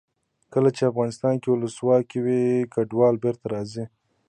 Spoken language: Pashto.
کله چې افغانستان کې ولسواکي وي کډوال بېرته راځي.